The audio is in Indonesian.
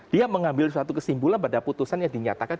dia mengambil suatu kesimpulan pada putusan yang dinyatakan